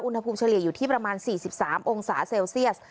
เฉลี่ยอยู่ที่ประมาณ๔๓องศาเซลเซียส